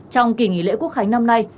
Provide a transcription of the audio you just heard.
trong kỷ nghỉ lễ quốc khánh năm nay